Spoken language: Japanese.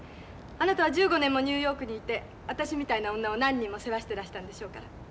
あなたは１５年もニューヨークにいて私みたいな女を何人も世話してらしたんでしょうから。